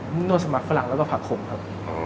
นูโซมากฝรั่งแล้วก็พัดโขมครับ